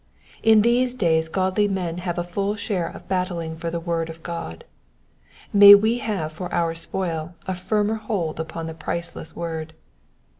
In these days godly men have a full share of battling for the word of God ; may we have for our spoil a firmer hold upon the priceless word.